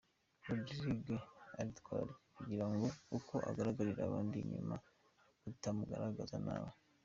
Rodrigue aritwararika kugira ngo uko agaragarira abandi inyuma kutamugaragaza nabi.